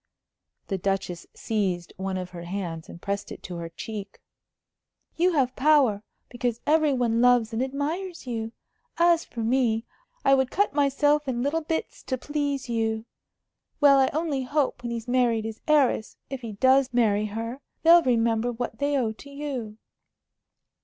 The Duchess seized one of her hands and pressed it to her cheek. "You have power, because every one loves and admires you. As for me, I would cut myself in little bits to please you.... Well, I only hope, when he's married his heiress, if he does marry her, they'll remember what they owe to you."